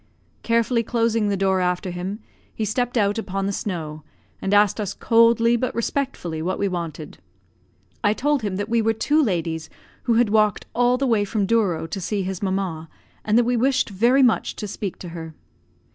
Carefully closing the door after him, he stepped out upon the snow, and asked us coldly but respectfully what we wanted. I told him that we were two ladies, who had walked all the way from Douro to see his mamma, and that we wished very much to speak to her.